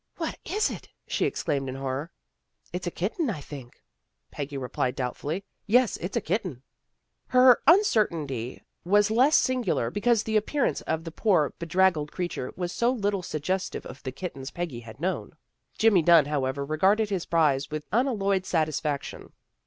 " What is it? " she exclaimed in horror. " It's a kitten, I think," Peggy replied doubt fully. " Yes, it is a kitten." Her uncertainty 130 THE GIRLS OF FRIENDLY TERRACE was less singular because the appearance of the poor bedraggled creature was so little suggest ive of the kittens Peggy had known. Jimmy Dunn, however, regarded his prize with un alloyed satisfaction.